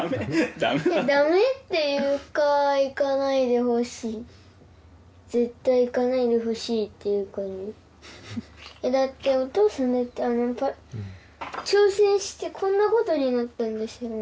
ダメなんだ「ダメ」っていうか行かないでほしい絶対行かないでほしいっていう感じだってお父さんだってあの挑戦してこんなことになったんですよね